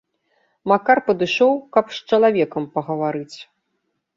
Макар падышоў, каб з чалавекам пагаварыць.